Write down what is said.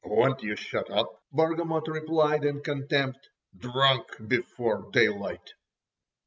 "Won't you shut up!" Bargamot replied in contempt. "Drunk before daylight!"